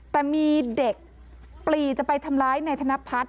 แต่มีเด็กปลีจะไปทำร้ายนายธนพัฒน์